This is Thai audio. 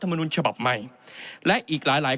มนุชภัพธ์ใหม่และอีกหลาย